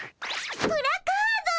プラカード。